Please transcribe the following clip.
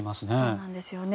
そうなんですよね。